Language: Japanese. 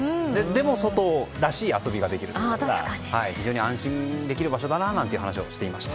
でも、外らしい遊びができるというところで非常に安心できる場所だななんていう話をしていました。